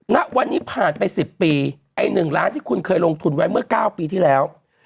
ณวันนี้ผ่านไป๑๐ปีไอ้๑ล้านที่คุณเคยลงทุนไว้เมื่อ๙ปีที่แล้ว